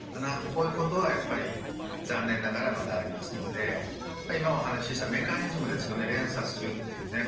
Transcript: こういうことはやっぱり残念ながらまだありますので今お話ししたメカニズムですよね連鎖するっていうね